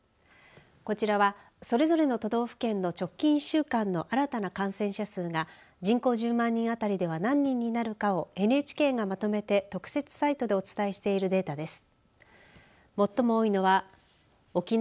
こちらは、それぞれの都道府県の直近１週間の新たな感染者数が人口１０万人あたりでは何人になるかをＮＨＫがまとめて特設サイトでお伝えしているデータです。